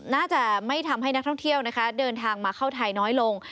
น่าจะไม่ทำให้นักท่องเที่ยวนะคะเดินทางมาเข้าไทยน้อยลง